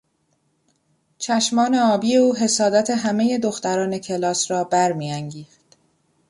چشمان آبی او حسادت همهی دختران کلاس را برمیانگیخت.